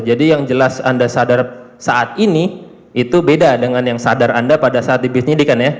jadi yang jelas anda sadar saat ini itu beda dengan yang sadar anda pada saat dibesnidikan ya